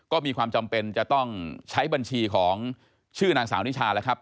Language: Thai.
ก็มีความจำเป็นจะต้องใช้บัญชีของชื่อนางสาวนิชาแล้วครับ